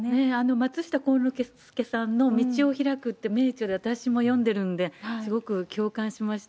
松下幸之助さんの道をひらくって名著で、私も読んでるので、すごく共感しました。